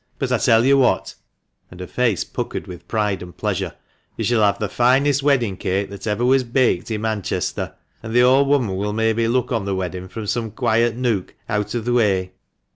But I tell you what "— and her face puckered with pride and pleasure —" you shall have the finest wedding cake that ever was baked i' Manchester, and the old woman will mebbe look on the weddin' from some quiet nook, out o' the way.